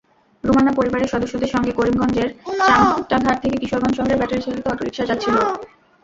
রুমানা পরিবারের সদস্যদের সঙ্গে করিমগঞ্জের চামটাঘাট থেকে কিশোরগঞ্জ শহরে ব্যাটারিচালিত অটোরিকশায় যাচ্ছিল।